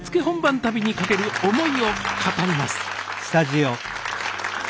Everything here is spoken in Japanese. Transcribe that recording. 本番旅にかける思いを語ります